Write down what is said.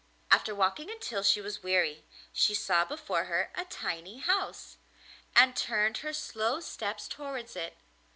After walking until she was weary, she saw before her a tiny house, and turned her slow steps towards it.